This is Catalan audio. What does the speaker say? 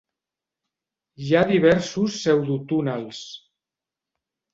Hi ha diversos pseudotúnels.